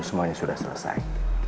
semuanya sudah selesai